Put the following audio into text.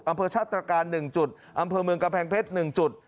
อำเภอชาตรการ๑จุดอำเภอเมืองกระแพงเพชร๑จุด